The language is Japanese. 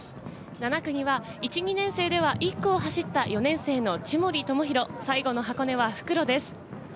７区には１２年生では１区を走った４年生の千守倫央、最後の箱根は復路です。